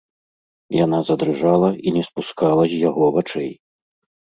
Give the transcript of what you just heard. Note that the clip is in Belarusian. Яна задрыжала і не спускала з яго вачэй.